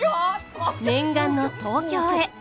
念願の東京へ。